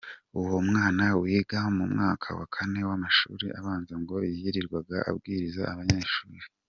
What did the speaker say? Uwo mwana wigaga mu mwaka wa kane w’amashuri abanza ngo yirirwaga abwiriza Abanyeshuri.